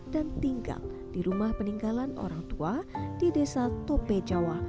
dan tinggal di rumah peninggalan orang tua di desa tope jawa